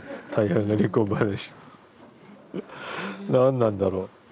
何なんだろう。